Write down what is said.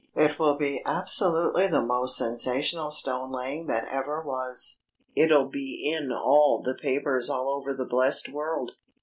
It will be absolutely the most sensational stone laying that ever was. It'll be in all the papers all over the blessed world.